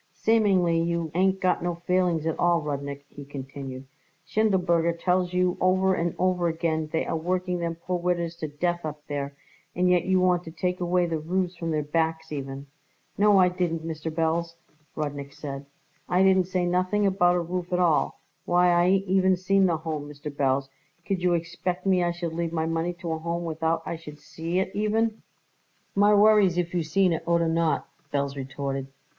"Seemingly you ain't got no feelings at all, Rudnik," he continued. "Schindelberger tells you over and over again they are working them poor widders to death up there, and yet you want to take away the roofs from their backs even." "No, I didn't, Mr. Belz," Rudnik said. "I didn't say nothing about a roof at all. Why, I ain't even seen the Home, Mr. Belz. Could you expect me I should leave my money to a Home without I should see it even?" "My worries if you seen it oder not!" Belz retorted.